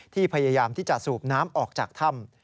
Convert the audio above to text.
พยายามที่จะสูบน้ำออกจากถ้ำ